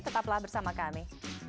tetaplah bersama kami